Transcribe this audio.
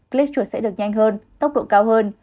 click chuột sẽ được nhanh hơn tốc độ cao hơn